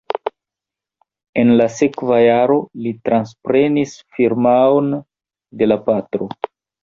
En la sekva jaro li transprenis firmaon de la patro.